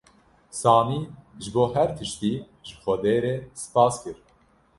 Samî ji bo her tiştî ji Xwedê re spas kir.